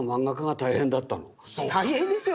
大変ですよ